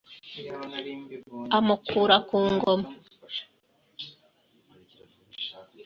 amukura ku ngoma